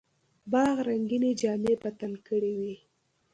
باغ رنګیني جامې په تن کړې وې.